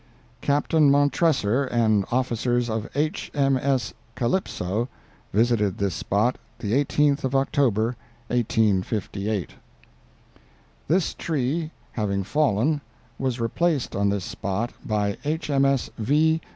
"Captain Montressor and officers of H. M. S. Calypso visited this spot the 18th of October, 1858." "This tree having fallen, was replaced on this spot by H. M. S. V.